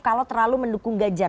kalau terlalu mendukung gajar